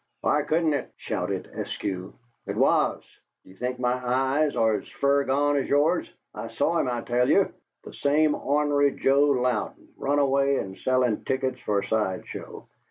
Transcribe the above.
"Why couldn't it?" shouted Eskew. "It was! Do you think my eyes are as fur gone as yours? I saw him, I tell you! The same ornery Joe Louden, run away and sellin' tickets for a side show.